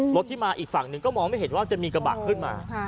รถที่มาอีกฝั่งหนึ่งก็มองไม่เห็นว่าจะมีกระบะขึ้นมา